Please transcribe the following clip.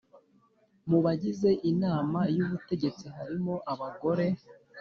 mu bagize Inama y ubutegetsi harimo abagore